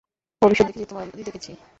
ভবিষ্যৎ দেখেছি, তোমার উন্নতি দেখেছি।